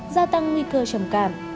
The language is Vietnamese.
giao tăng nguy cơ trầm cảm